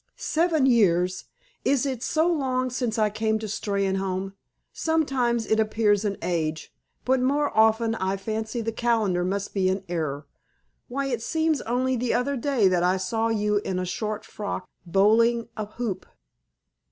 "Seven years! Is it so long since I came to Steynholme? Sometimes, it appears an age, but more often I fancy the calendar must be in error. Why, it seems only the other day that I saw you in a short frock, bowling a hoop."